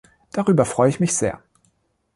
Darüber freue ich mich sehr!